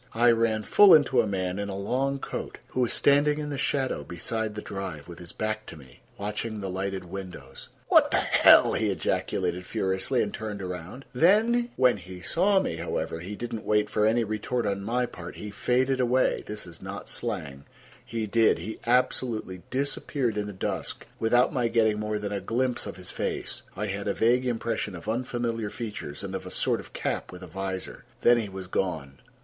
I ran full into a man in a long coat, who was standing in the shadow beside the drive, with his back to me, watching the lighted windows. "What the hell!" he ejaculated furiously, and turned around. When he saw me, however, he did not wait for any retort on my part. He faded away—this is not slang; he did—he absolutely disappeared in the dusk without my getting more than a glimpse of his face. I had a vague impression of unfamiliar features and of a sort of cap with a visor. Then he was gone.